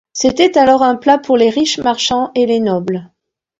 C'était alors un plat pour les riches marchands et les nobles.